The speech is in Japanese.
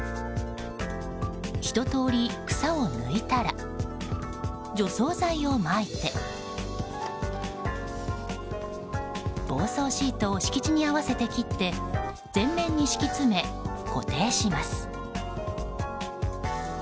ひととおり、草を抜いたら除草剤をまいて防草シートを敷地に合わせて切って全面に敷き詰め固定します。